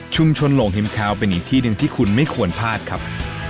โหลงฮิมคาวเป็นอีกที่หนึ่งที่คุณไม่ควรพลาดครับ